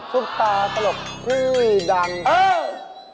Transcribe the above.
ซุปตาตลกชื่อดังเออ